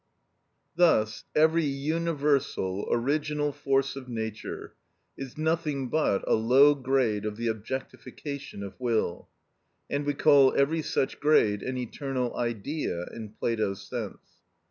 Thus every universal, original force of nature is nothing but a low grade of the objectification of will, and we call every such grade an eternal Idea in Plato's sense.